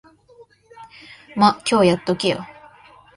ま、今日やっとけよ。